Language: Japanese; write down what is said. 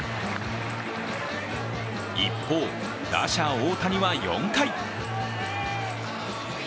一方、打者・大谷は４回。